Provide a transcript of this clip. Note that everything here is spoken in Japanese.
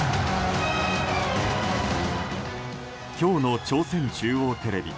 今日の朝鮮中央テレビ。